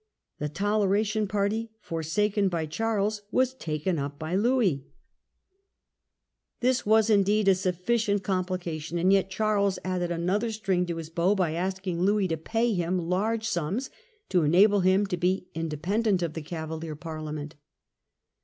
The Toleration party, forsaken by Charles, was taken up by Louis! A NATIONAL PANIC. 8 1 This was, indeed, a sufficient complication, and yet Charles added another string to his bow by asking Louis to pay him large sums to enable him to be a complicated independent of the Cavalier Parliament.